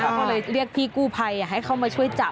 แล้วก็เลยเรียกพี่กู้ภัยให้เข้ามาช่วยจับ